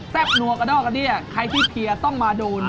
บนัวกระดอกกระเดี้ยใครที่เพียร์ต้องมาโดน